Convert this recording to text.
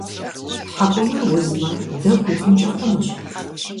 ТхьэкӀумэр узмэ, дэгу ухъункӀэ хъунущ.